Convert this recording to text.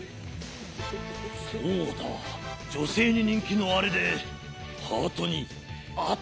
そうだじょせいににんきのあれでハートにアタックだ！